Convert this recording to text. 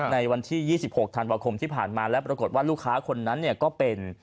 ในวันที่๒๖ธันวาคมที่ผ่านมาและปรากฏว่าลูกค้าคนนั้นก็เป็น